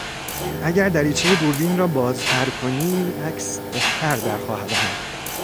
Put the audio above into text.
اگر دریچه دوربین را بازتر کنی عکس بهتر در خواهد آمد.